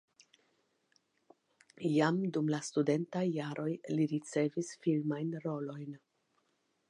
Jam dum la studentaj jaroj li ricevis filmajn rolojn.